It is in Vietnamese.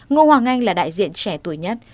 ngô hoàng anh là đại diện trẻ tuổi nhất